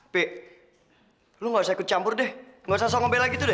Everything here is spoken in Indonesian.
pi lo gak usah ikut campur deh gak usah sok ngobel lagi tuh deh